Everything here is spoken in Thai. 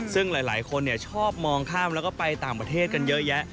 ซึ่งหลายคนชอบมองข้ามแล้วก็ไปต่างประเทศกันเยอะแยะ